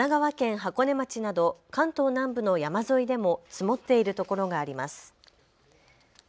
箱根町など関東南部の山沿いでも積もっているところがあります。